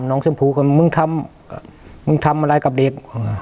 น้องชมพูมึงทำอะไรกับเด็ก